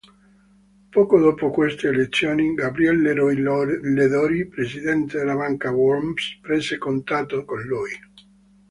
Poco dopo queste elezioni, Gabriel Leroy-Ladurie, presidente della banca Worms, prese contatto con lui.